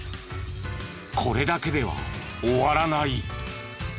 これだけでは終わらない。